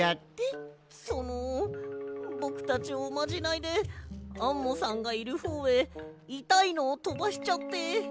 そのぼくたちおまじないでアンモさんがいるほうへいたいのをとばしちゃって。